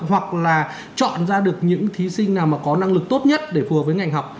hoặc là chọn ra được những thí sinh nào mà có năng lực tốt nhất để phù hợp với ngành học